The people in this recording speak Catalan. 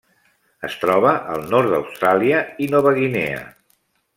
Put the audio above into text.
Es troba al nord d'Austràlia i Nova Guinea.